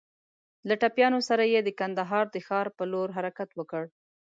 له ټپيانو سره يې د کندهار د ښار په لور حرکت وکړ.